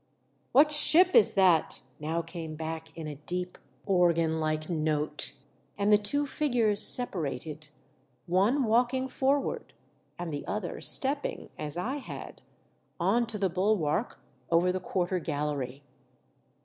" What ship is that ?" now came back in a deep, organ like note, and the two figures separated, one walking forward, and the other stepping, as I had, on to the buhvark over the quarter gallery.